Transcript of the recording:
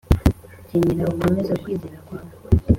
kenyera ukomeze ukwizera kwawe